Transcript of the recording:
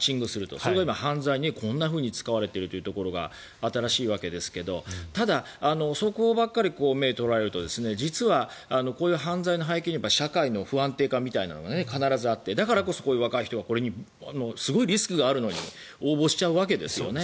そこが犯罪に使われているところが新しいわけですけどそこばかり目を取られると実はこういう犯罪の背景には社会の不安定化というのが必ずあってだからこそ、こういう若い人がすごいリスクがあるのに応募しちゃうわけですよね。